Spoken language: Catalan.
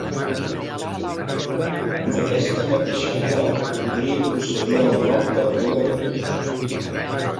D'aquesta mateixa arrel podria procedir el nom del rei Artús.